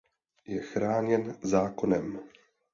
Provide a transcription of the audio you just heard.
Je chráněn zákonem.